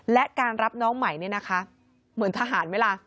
และการรับน้องใหม่เนี่ยนะคะเหมือนทหารไหมล่ะ